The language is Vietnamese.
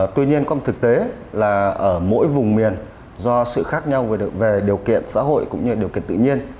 tuy nhiên có một thực tế là ở mỗi vùng miền do sự khác nhau về điều kiện xã hội cũng như điều kiện tự nhiên